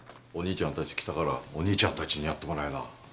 お兄ちゃんたち来たからお兄ちゃんたちにやってもらいな。